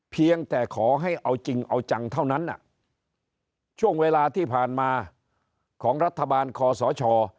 เพียงแต่ขอให้เอาจริงเอาจังเท่านั้นช่วงเวลาที่ผ่านมาของรัฐบาลคอสช